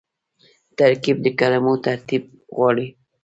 ترکیب د کلمو ترتیب غواړي.